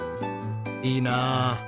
いいなあ。